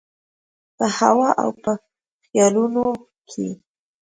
په هوا او په خیالونو کي